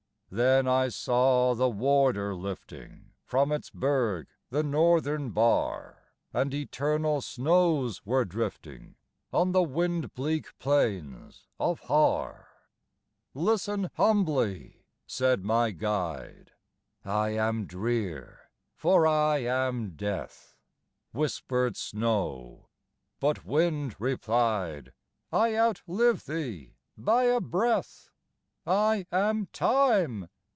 Then I saw the warder lifting From its berg the Northern bar, And eternal snows were drifting On the wind bleak plains of Har. "Listen humbly," said my guide. "I am drear, for I am death," Whispered Snow; but Wind replied, "I outlive thee by a breath, I am Time."